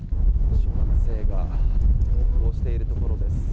小学生が登校しているところです。